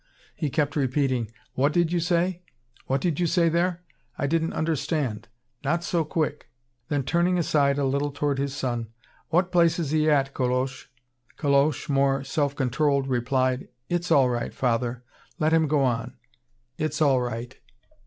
He kept repeating: "What did you say? What did you say there? I didn't understand not so quick!" Then turning aside a little toward his son: "What place is he at, Coloche?" Coloche, more self controlled, replied: "It's all right, father let him go on it's all right."